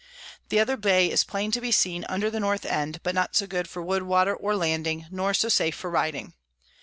The other Bay is plain to be seen under the North end, but not so good for Wood, Water, or Landing, nor so safe for riding.